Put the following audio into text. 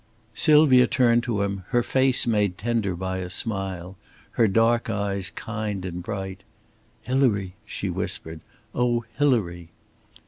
Sylvia turned to him, her face made tender by a smile, her dark eyes kind and bright. "Hilary!" she whispered. "Oh, Hilary!"